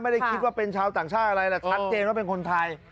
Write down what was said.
ไม่ได้คิดว่าเป็นชาวต่างชาติอะไรแหละชัดเจนว่าเป็นคนไทย